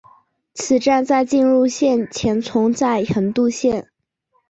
此站在进入线前存在横渡线。